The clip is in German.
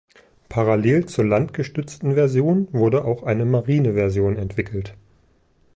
Parallel zur landgestützten Version wurde auch eine Marineversion entwickelt.